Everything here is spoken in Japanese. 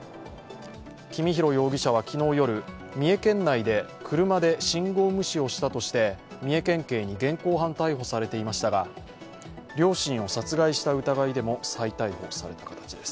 公宏容疑者は昨日夜三重県内で車で信号無視をしたとして三重県警に現行犯逮捕されていましたが両親を殺害した疑いでも再逮捕された形です。